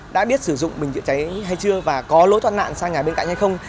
đã biết sử dụng bình chữa cháy hay chưa và có lối thoát nạn sang nhà bên cạnh hay không